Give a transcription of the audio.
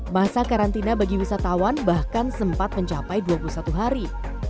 masa karantina bagi wisatawan bahkan sempat mencapai dua puluh satu hari